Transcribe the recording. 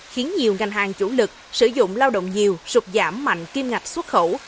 khiến nhiều ngành hàng chủ lực sử dụng lao động nhiều rụt giảm mạnh kim ngạch xuất khẩu